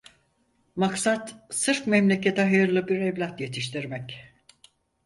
Maksat sırf memlekete hayırlı bir evlat yetiştirmek…